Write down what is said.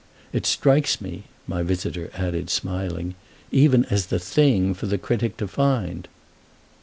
It strikes me," my visitor added, smiling, "even as the thing for the critic to find."